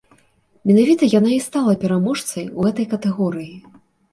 Менавіта яна і стала пераможцай у гэтай катэгорыі.